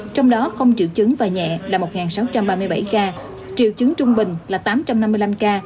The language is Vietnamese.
trong đó không triệu chứng và nhẹ là một sáu trăm ba mươi bảy ca triệu chứng trung bình là tám trăm năm mươi năm ca